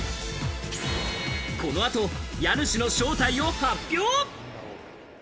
この後、家主の正体を発表。